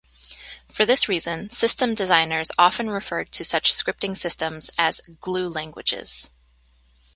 For this reason system designers often referred to such scripting systems as glue languages.